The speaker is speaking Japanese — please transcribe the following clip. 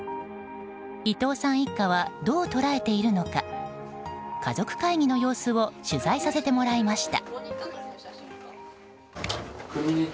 伊藤さん一家はどう捉えているのか家族会議の様子を取材させてもらいました。